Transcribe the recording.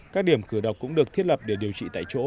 các điểm cửa đọc cũng được thiết lập để điều trị tại chỗ